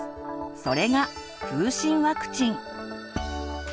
それが「風疹ワクチン」。